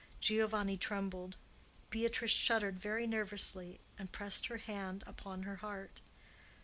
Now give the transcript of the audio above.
Giovanni trembled. Beatrice shuddered nervously, and pressed her hand upon her heart.